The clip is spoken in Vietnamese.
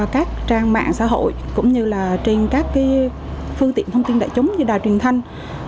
các trang mạng xã hội cũng như là trên các phương tiện thông tin đại chúng như đài truyền thanh